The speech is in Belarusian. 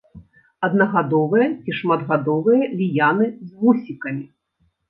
Аднагадовыя ці шматгадовыя ліяны з вусікамі.